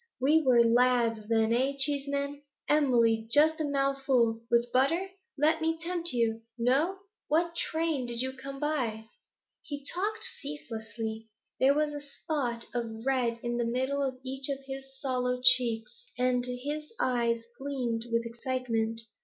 We were lads then, eh, Cheeseman? Emily, just a mouthful, with butter? Let me tempt you. No? What train did you come by?' He talked ceaselessly. There was a spot of red in the midst of each of his sallow cheeks, and his eyes gleamed with excitement.